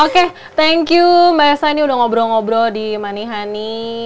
oke thank you mbak yesa ini udah ngobrol ngobrol di manihani